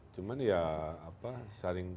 cuma ya saring